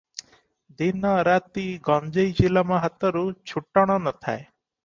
ଦିନ ରାତି ଗଞ୍ଜେଇ ଚିଲମ ହାତରୁ ଛୁଟଣ ନ ଥାଏ ।